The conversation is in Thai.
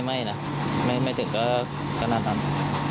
ไม่นะไม่ถึงก็น่าทำ